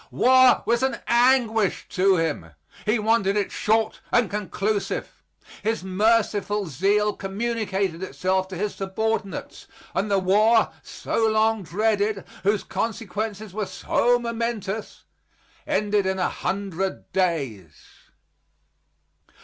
War was an anguish to him; he wanted it short and conclusive. His merciful zeal communicated itself to his subordinates, and the war, so long dreaded, whose consequences were so momentous, ended in a hundred days.